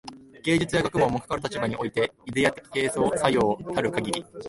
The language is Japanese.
芸術や学問も、かかる立場においてイデヤ的形成作用たるかぎり、